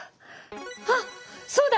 あっそうだ！